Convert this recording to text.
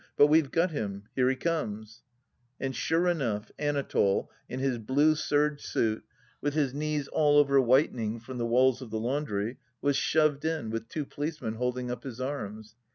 " But we've got him. Here he comes !" And sure enough, Anatole, in his blue serge suit, with his knees all over whitening from the walls of thq.laimdry, was shoved in, with two policemen holding up his arms.